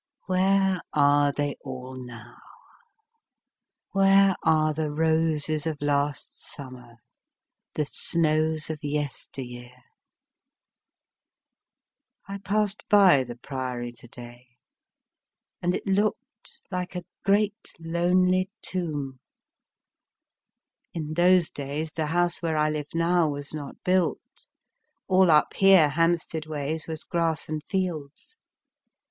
Where are they all now ? Where are the roses of last summer, the snows of yester year ? I passed by the Priory to day, and it looked like a great lonely Tomb. In those days, the house where I live now was not built ; all up here Hampsteacl ways was grass and fields.